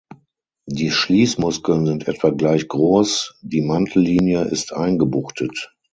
Die Schließmuskeln sind etwa gleich groß, die Mantellinie ist eingebuchtet.